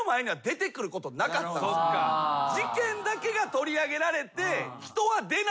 事件だけが取り上げられて人は出ない。